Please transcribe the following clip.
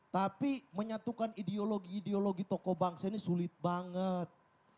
tapi menyatukan ideologi ideologi tokoh bangsa ini sulit banget